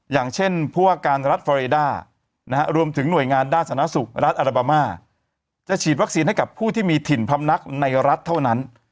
อย่างเช่นผู้ว่าการรัฐฟอเรด้ารวมถึงหน่วยงานด้านสาธารณสุขรัฐอาราบามาจะฉีดวัคซีนให้กับผู้ที่มีถิ่นพำนักในรัฐเท่านั้น